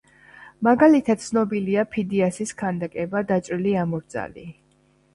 მაგალითად, ცნობილია ფიდიასის ქანდაკება „დაჭრილი ამორძალი“.